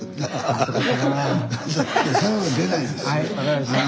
はい分かりました。